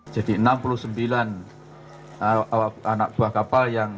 jadi enam puluh sembilan anak buah kapal yang